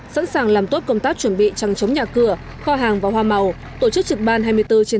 sẵn sàng làm tốt công tác chuẩn bị trăng chống nhà cửa kho hàng và hoa màu tổ chức trực ban hai mươi bốn trên hai mươi bốn